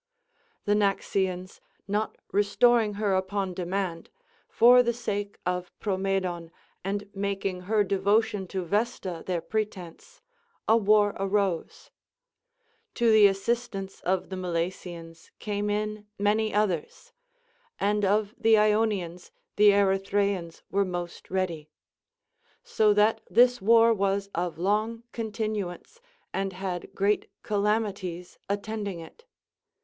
The Naxians not restoring her upon demand, for the sake of Promedon and making her devotion to Vesta their pretence, a war arose. To the assistance of the Milesians came in many others ; and of the lonians the Erythraeans were most ready. So CONCERNING THE VIRTUES OF WOMEN. 365 that this Avar was of long continuance, and had great calam ities attending it.